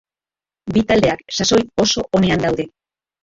Bi taldeak sasoi oso onean daude.